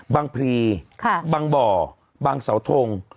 พรีบางบ่อบางเสาทง